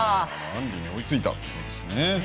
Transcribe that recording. アンリに追いついたということですね。